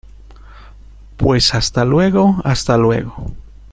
pues hasta luego. hasta luego .